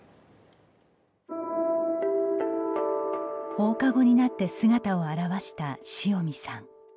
放課後になって姿を現した塩見さん。